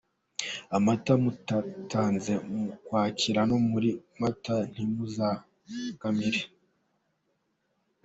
Amata mutatanze mu Ukwakira no muri Mata ntimuzankamire.